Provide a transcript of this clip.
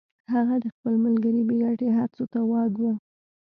هغه د خپل ملګري بې ګټې هڅو ته غوږ و